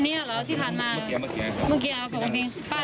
ในฐานะพี่สาวกับน้องสาว